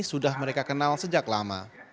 sudah mereka kenal sejak lama